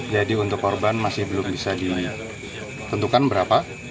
jadi untuk korban masih belum bisa ditentukan berapa